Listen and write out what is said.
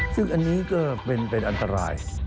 ซึ่งอันนี้ก็เป็นอันตราย